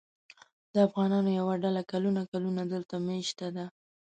د افغانانو یوه ډله کلونه کلونه دلته مېشته ده.